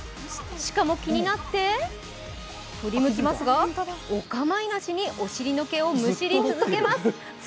鹿も気になって振り向きますがお構いなしにお尻の毛をむしり続けます。